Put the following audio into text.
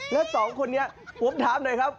แล้วสองคนนี้ผมถามหน่อยครับ